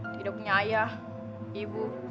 tidak punya ayah ibu